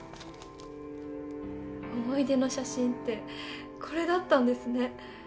思い出の写真ってこれだったんですね。